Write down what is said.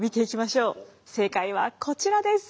正解はこちらです。